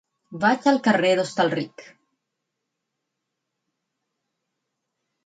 Vaig al carrer d'Hostalric.